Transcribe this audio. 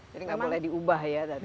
jadi tidak boleh diubah ya tadi